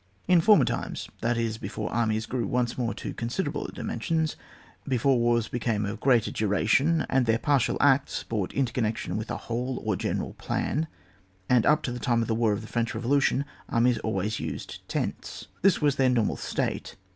In former times, that is, before armies grew once more to considerable dimen sions, before wars became of greater duration, and their partial acts brought into connection with a whole or general plan, and up to the time of the war of the French Eevolution, armies always used tents. This was their normal state.